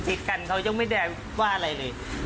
ถิดกันเขายังไม่ได้ว่าอะไรเลยมันได้พูดมาหมา